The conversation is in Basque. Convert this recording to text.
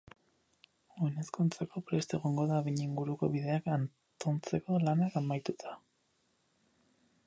Oinezkoentzako prest egongo da behin inguruko bideak atontzeko lanak amaituta.